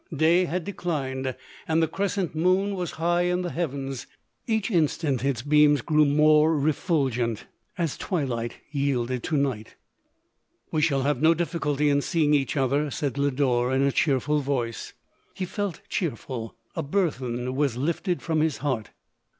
Day had declined, and the crescent moon was high in the heavens : each instant its beams grew more refulgent, as twilight yielded to night. " We shall have no difficulty in seeing each other," said Lodore, in a cheerful voice. He felt cheerful : a burthen was lifted from his heart.